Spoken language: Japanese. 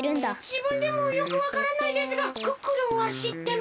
じぶんでもよくわからないですがクックルンはしってます。